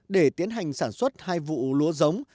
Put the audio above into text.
để tiến hành sản xuất hai vụ lúa giống